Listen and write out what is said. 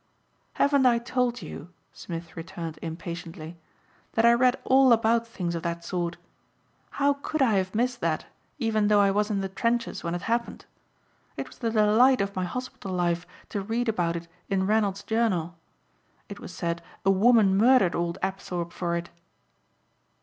"Haven't I told you," Smith returned impatiently, "that I read all about things of that sort? How could I have missed that even though I was in the trenches when it happened. It was the delight of my hospital life to read about it in Reynolds Journal. It was said a woman murdered old Apthorpe for it."